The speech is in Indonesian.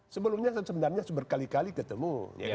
sebelumnya sebenarnya berkali kali ketemu